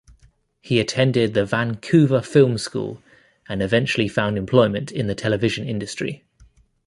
He attended the Vancouver Film School and eventually found employment in the television industry.